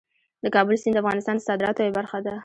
د کابل سیند د افغانستان د صادراتو یوه برخه ده.